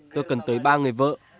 tôi cần tới ba người vợ